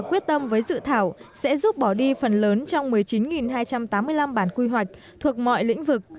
quyết tâm với dự thảo sẽ giúp bỏ đi phần lớn trong một mươi chín hai trăm tám mươi năm bản quy hoạch thuộc mọi lĩnh vực